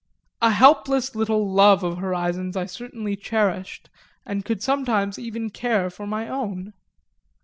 A helpless little love of horizons I certainly cherished, and could sometimes even care for my own.